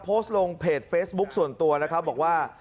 ก็จะโพสต์ลงเพจเฟสบุ๊กส่วนตัวแล้วก็บอกว่า